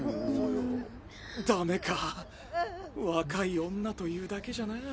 ダメか若い女というだけじゃなぁ。